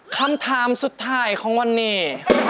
คำถามสุดท้ายของวันนี้